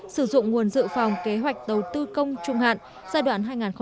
sử dụng nguồn dự phòng kế hoạch đầu tư công trung hạn giai đoạn hai nghìn một mươi sáu hai nghìn hai mươi